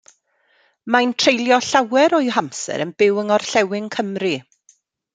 Mae'n treulio llawer o'i hamser yn byw yng Ngorllewin Cymru.